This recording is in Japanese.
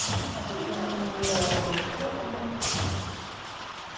アテコミはこれは頑張った手です。